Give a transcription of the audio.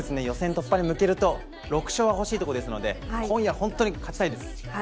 予選突破に向けて６勝は欲しいところですので、今夜本当に勝ちたいです。